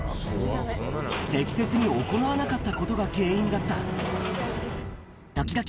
適切に行わなかったことが原因だった。